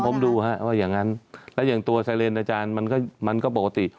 ผมดูฮะว่าอย่างนั้นแล้วอย่างตัวไซเรนอาจารย์มันก็มันก็ปกติ